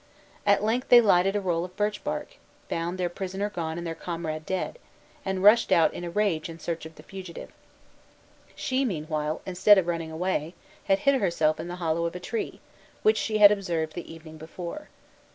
At length they lighted a roll of birch bark, found their prisoner gone and their comrade dead, and rushed out in a rage in search of the fugitive. She, meanwhile, instead of running away, had hid herself in the hollow of a tree, which she had observed the evening before.